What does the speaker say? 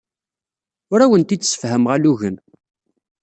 Ur awent-d-ssefhameɣ alugen.